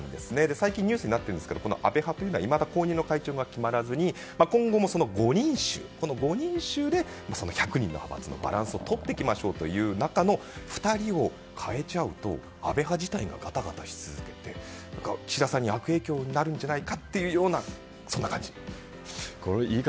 最近ニュースになってるんですが安倍派は後任の会長が決まらずに今後も５人衆で１００人の派閥のバランスを取っていきましょうという中の２人を代えちゃうと安倍派自体がガタガタし続けて、岸田さんに悪影響になるんじゃないかというそんな感じです。